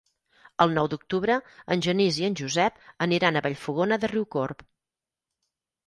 El nou d'octubre en Genís i en Josep aniran a Vallfogona de Riucorb.